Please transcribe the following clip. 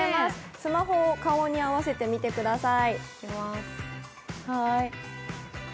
スマホを顔に合わせてみてください。